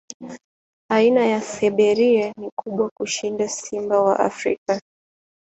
Aina ya Siberia ni kubwa kushinda simba wa Afrika.